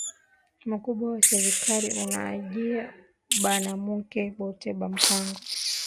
Mukubwa wa serkali ana ujiya banamuke bote ma mpango